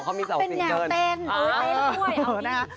เป็นอย่างเต้นเต้นแล้วด้วย